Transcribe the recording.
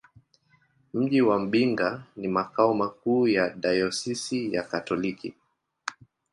Mji wa Mbinga ni makao makuu ya dayosisi ya Kikatoliki.